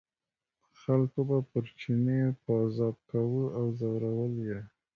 خلکو به پر چیني پازاب کاوه او ځورول یې.